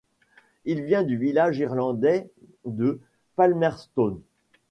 Il vient du village irlandais de Palmerstown.